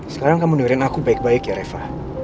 sekarang kamu dengerin aku baik baik ya reva